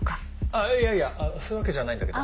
あぁいやいやそういうわけじゃないんだけど。